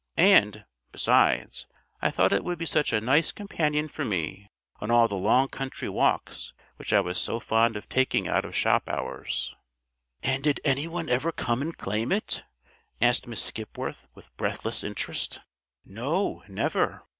And, besides, I thought it would be such a nice companion for me on all the long country walks which I was so fond of taking out of shop hours." "And did any one ever come and claim it?" asked Miss Skipworth with breathless interest. "No; never.